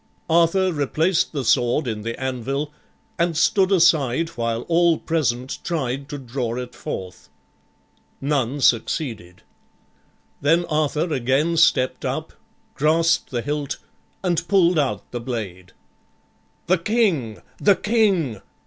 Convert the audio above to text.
Arthur replaced the sword in the anvil and stood aside while all present tried to draw it forth. None succeeded. Then Arthur again stepped up, grasped the hilt and pulled out the blade. "The king, the king!"